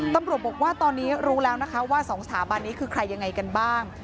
ตำรวจบอกว่าตอนนี้รู้แล้วนะคะว่า๒สถาบันนี้คือใครยังไงกันบ้าง